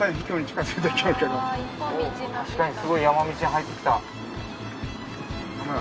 確かにすごい山道に入ってきた。